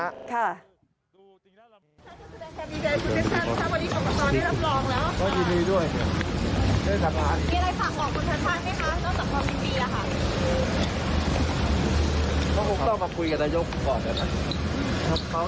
ออกมาอยู่แล้ว